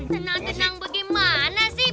tenang tenang bagaimana sih